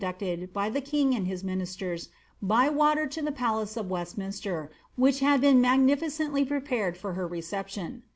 ducted, by the king and his ministers, by water to the palace of West minster, which had been magniiicently prepared for her reception.